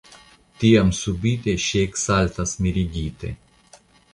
Tiam subite ŝi eksaltas mirigite.